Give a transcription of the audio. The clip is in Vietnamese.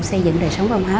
xây dựng đời sống văn hóa